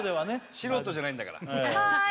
素人じゃないんだからはい！